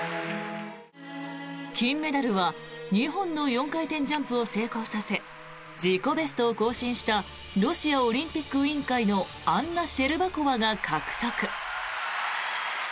金メダルは２本の４回転ジャンプを成功させ自己ベストを更新したロシアオリンピック委員会のアンナ・シェルバコワが獲得。